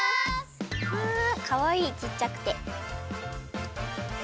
かわいいちっちゃくて。